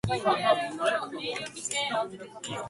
感嘆詞って難しい